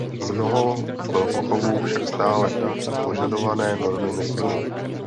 Mnoho velkochovů však stále požadované normy nesplňuje.